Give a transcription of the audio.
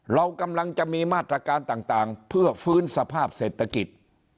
เรากำลังจะมีมาตรการต่างเพื่อฟื้นสภาพเศรษฐกิจ